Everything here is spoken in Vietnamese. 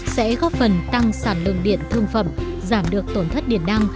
sẽ góp phần tăng sản lượng điện thương phẩm giảm được tổn thất điện năng